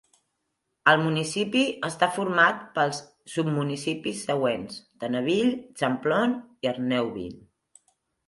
El municipi està format pels submunicipis següents: Tenneville, Champlon i Erneuville.